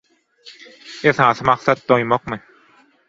Esasy maksat doýmakmy?